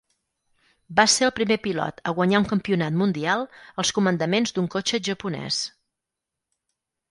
Va ser el primer pilot a guanyar un campionat mundial als comandaments d'un cotxe japonès.